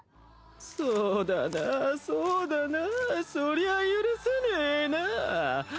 そうだなぁそうだなぁそりゃあ許せねえなぁ。